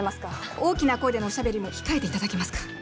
大きな声でのおしゃべりも控えて頂けますか。